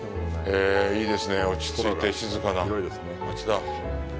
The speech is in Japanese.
へぇ、いいですねぇ、落ち着いて、静かな町だ。